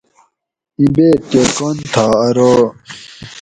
ایں بیت کہۤ کن تھا ارو